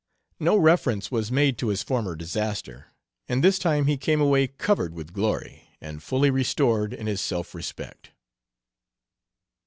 No reference was made to his former disaster, and this time he came away covered with glory, and fully restored in his self respect.